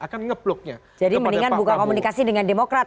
jadi mendingan buka komunikasi dengan demokrat